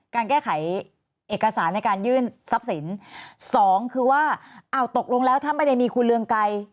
การแก้ไขเอกสารในการยื่นทรัพย์สินสองคือว่าอ้าวตกลงแล้วถ้าไม่ได้มีคุณเรืองไกร